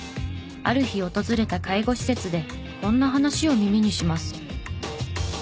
ある日訪れた介護施設でこんな話を耳にします。